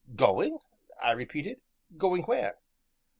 "Going!" I repeated; "going where?"